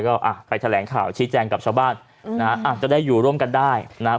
ก็อ่ะไปแถลงข่าวชี้แจงกับชาวบ้านนะฮะอาจจะได้อยู่ร่วมกันได้นะครับ